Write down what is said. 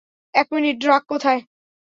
এক মিনিট, ড্রাক কোথায়?